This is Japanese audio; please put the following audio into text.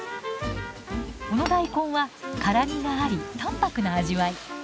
この大根は辛みがあり淡白な味わい。